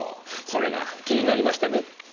それが気になりましてね。